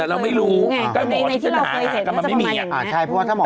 แต่เราไม่รู้ในที่เราเคยเห็นก็จะประมาณอย่างนี้